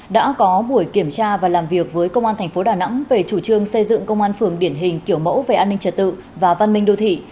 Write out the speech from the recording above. đã có buổi kiểm tra và làm việc với công an thành phố đà nẵng về chủ trương xây dựng công an phường điển hình kiểu mẫu về an ninh trật tự và văn minh đô thị